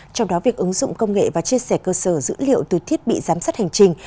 trong đó việc ứng dụng công nghệ và chia sẻ cơ sở dữ liệu từ thiết bị giám sát hành trình